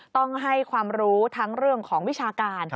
ต้องให้ความรู้ทั้งเรื่องของวิชาการ